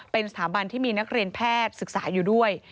เป็นสถาบันที่มีนักเรียนแพทย์ศึกษาอยู่ด้วย